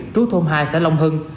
trú thôn hai xã long hưng